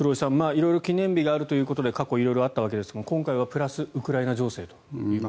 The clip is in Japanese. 色々、記念日があるということで過去、色々あったわけですが今回はプラスウクライナ情勢と。